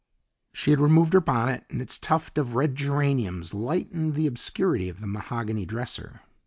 She had removed her bonnet, and its tuft of red geraniums lightened the obscurity of the mahogany dresser.